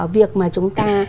việc mà chúng ta